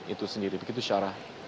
itu sendiri begitu syarah